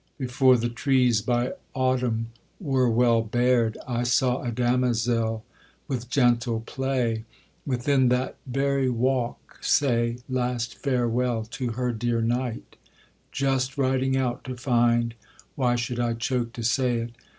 Before the trees by autumn were well bared, I saw a damozel with gentle play, Within that very walk say last farewell To her dear knight, just riding out to find (Why should I choke to say it?)